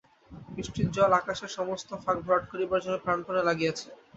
বৃষ্টির জল আকাশের সমস্ত ফাঁক ভরাট করিবার জন্য প্রাণপণে লাগিয়াছে।